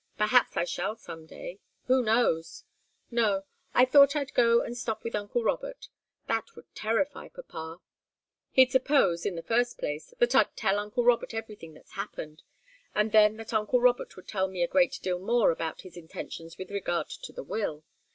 Perhaps I shall some day. Who knows? No I thought I'd go and stop with uncle Robert. That would terrify papa. He'd suppose, in the first place, that I'd tell uncle Robert everything that's happened, and then that uncle Robert would tell me a great deal more about his intentions with regard to the will.